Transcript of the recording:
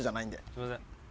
すみません。